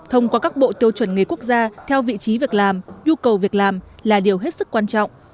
thông qua các bộ tiêu chuẩn nghề quốc gia theo vị trí việc làm nhu cầu việc làm là điều hết sức quan trọng